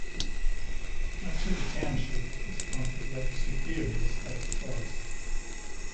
Much of the township is part of Lake Superior State Forest.